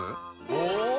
お！